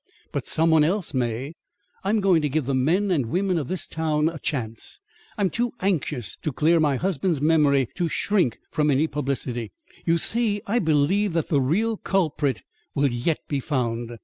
But some one else may. I am going to give the men and women of this town a chance. I'm too anxious to clear my husband's memory to shrink from any publicity. You see, I believe that the real culprit will yet be found."